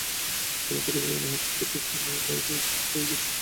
তোমাকে দেখে মনে হচ্ছে ছোট্ট একটা মেয়ে ভয় পেয়ে গেছে।